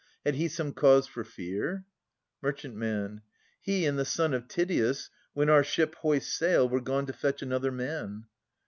Had he some cause for fear ? Mer. He and the son of Tydeus, when our ship Hoist sail, were gone to fetch another man.